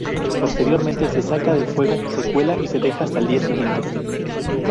Posteriormente se saca del fuego, se cuela y deja hasta el día siguiente.